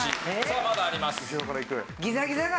さあまだあります。